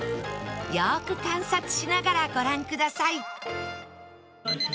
よく観察しながらご覧ください